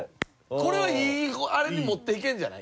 これはいいあれに持っていけるんじゃない？